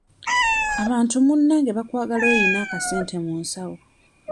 Abantu munnange bakwagala oyina akasente mu nsawo.